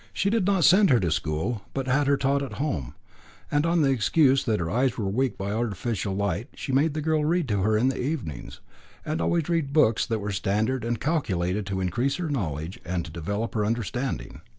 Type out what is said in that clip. She did not send her to school, but had her taught at home; and on the excuse that her eyes were weak by artificial light she made the girl read to her in the evenings, and always read books that were standard and calculated to increase her knowledge and to develop her understanding.